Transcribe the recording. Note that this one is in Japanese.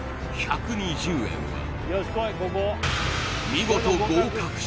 見事合格し